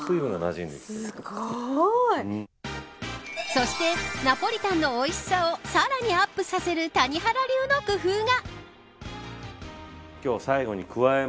そしてナポリタンのおいしさをさらにアップさせる谷原流の工夫が。